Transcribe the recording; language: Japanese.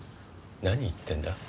何言ってんだ？